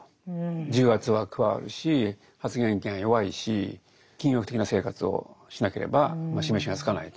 重圧は加わるし発言権は弱いし禁欲的な生活をしなければ示しがつかないと。